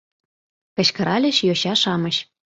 — кычкыральыч йоча-шамыч.